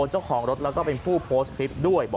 เจ้าของรถแล้วก็เป็นผู้โพสต์คลิปด้วย